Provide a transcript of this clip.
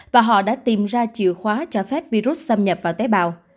và họ đã tìm ra chìa khóa cho phép virus xâm nhập vào tế bào